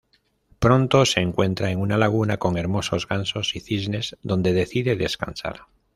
Pronto se encuentra en una laguna con hermosos gansos y cisnes donde decide descansar.